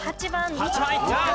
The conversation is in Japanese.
８番いった！